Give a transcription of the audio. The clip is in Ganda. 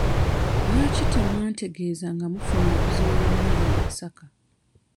Lwaki temwantegeeza nga mufunye obuzibu lwe mwali e Masaka?